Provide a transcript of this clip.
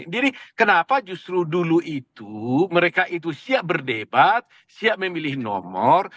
jadi kenapa justru dulu itu mereka itu siap berdebat siap memilih nomor